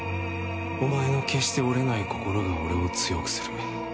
お前の決して折れない心が俺を強くする。